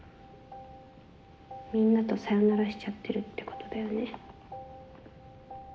みんなとサヨナラしちゃってるってことだよね。